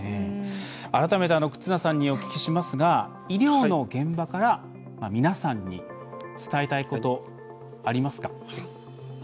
改めて忽那さんにお聞きしますが、医療の現場から皆さんに伝えたいことありますか。